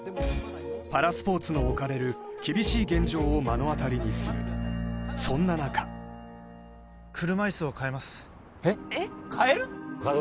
パラスポーツの置かれる厳しい現状を目の当たりにするそんな中車いすを替えます替える！？